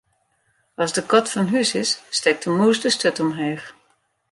As de kat fan hús is, stekt de mûs de sturt omheech.